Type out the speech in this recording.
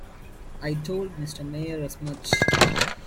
I told Mr. Mayer as much.